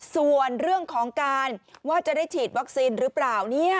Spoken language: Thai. ส่วนเรื่องของการว่าจะได้ฉีดวัคซีนหรือเปล่า